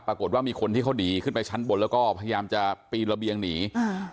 ปรากฏว่ามีคนที่เขาหนีขึ้นไปชั้นบนแล้วก็พยายามจะปีนระเบียงหนีอ่า